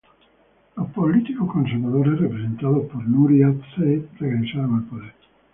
Los políticos conservadores, representados por Nuri al-Said, regresaron al poder.